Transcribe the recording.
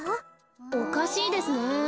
おかしいですね。